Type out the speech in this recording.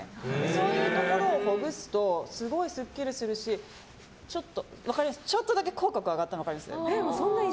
そういうところをほぐすとすごいすっきりするしちょっとだけ口角上がったの分かります？